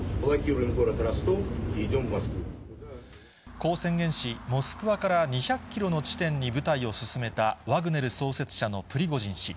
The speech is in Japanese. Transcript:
こう宣言し、モスクワから２００キロの地点に部隊を進めたワグネル創設者のプリゴジン氏。